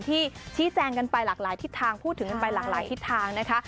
ชี้แจงกันไปหลากหลายทิศทางพูดถึงกันไปหลากหลายทิศทางนะคะ